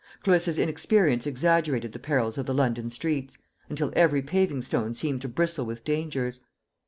Clarissa's inexperience exaggerated the perils of the London streets, until every paving stone seemed to bristle with dangers.